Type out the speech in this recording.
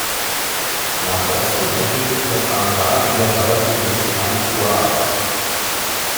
Nach Osten erstreckt sich das Areal in die Waldung des "Grand Poix".